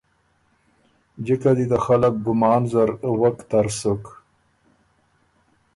جکه دی ته خلق ګمان زر وک تر سُک۔